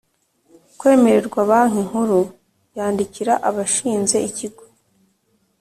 Kwemererwa banki nkuru yandikira abashinze ikigo